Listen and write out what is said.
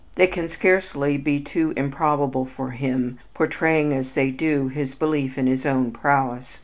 They can scarcely be too improbable for him, portraying, as they do, his belief in his own prowess.